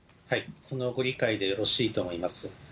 そのご理解でよろしいと思います。